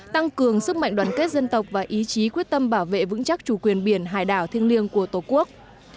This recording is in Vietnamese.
tăng cường sức mạnh đoàn kết dân tộc và ý chí quyết tâm bảo vệ vững chắc chủ quyền biển hải đảo thiêng liêng của tổ quốc